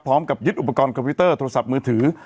พร้อมกับยึดอุปกรณ์คอมพิวเตอร์โทรศัพท์มือถือ